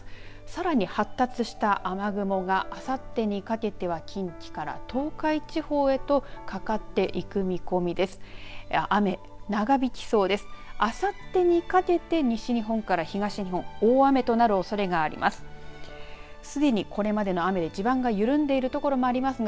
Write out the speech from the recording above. さらに発達した雨雲があさってにかけては近畿から東海地方へとかかっていく見込みです。